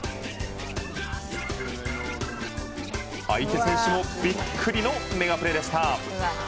相手選手もビックリのメガプレでした。